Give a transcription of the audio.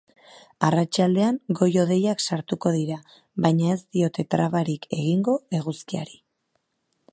Arratsaldean goi-hodeiak sartuko dira, baina ez diote trabarik egingo eguzkiari.